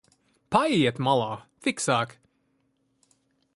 Paejiet malā, fiksāk!